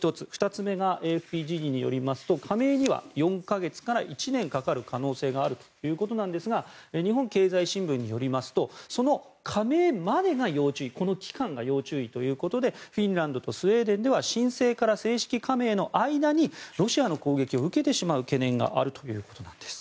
２つ目がＡＦＰ時事によりますと加盟には４か月から１年かかる可能性があるということですが日本経済新聞によりますとその加盟までこの期間が要注意ということでフィンランドとスウェーデンでは申請から正式加盟の間にロシアの攻撃を受けてしまう懸念があるということです。